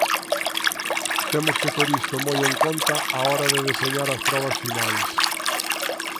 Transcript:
Temos que ter isto moi en conta á hora de deseñar as probas finais.